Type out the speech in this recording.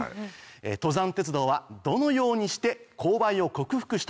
登山鉄道はどのようにして勾配を克服したのか。